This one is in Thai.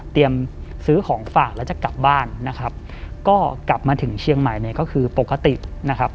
ซื้อของฝากแล้วจะกลับบ้านนะครับก็กลับมาถึงเชียงใหม่เนี่ยก็คือปกตินะครับ